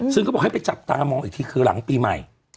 ซึ่งเขาบอกให้ไปจับตามองอีกทีคือหลังปีใหม่